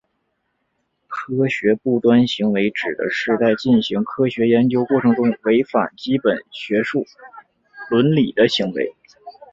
科学不端行为指的是在进行科学研究过程中违反基本学术伦理的行为。